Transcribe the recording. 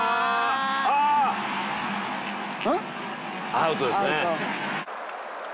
「アウトですね」